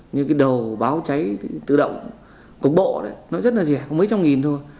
như cái đầu báo cháy tự động cổng bộ nó rất là rẻ có mấy trăm nghìn thôi